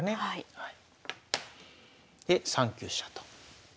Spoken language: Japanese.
はい。